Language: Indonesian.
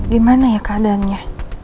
gimana ya keadaannya